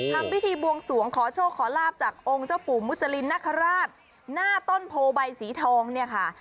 ทำพิธีบวงสวงขอโชคขอลาบจากองค์เจ้าปู่มุจรินนคราชหน้าต้นโพใบสีทองเนี่ยค่ะ